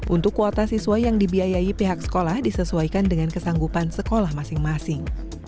untuk kuota siswa yang dibiayai pihak sekolah disesuaikan dengan kesanggupan sekolah masing masing